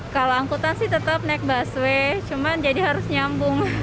kalau angkutan sih tetap naik busway cuman jadi harus nyambung